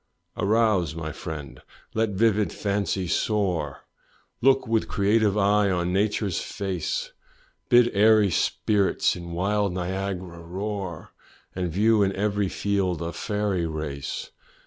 Arouse, my friend let vivid fancy soar, Look with creative eye on nature's face, Bid airy sprites in wild Niagara roar, And view in every field a fairy race.